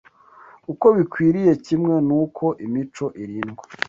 uko bikwiriye kimwe n’uko imico irindwa